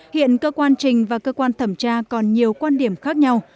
hiện cơ quan trình và cơ quan thẩm tra còn nhiều quan điểm khác nhau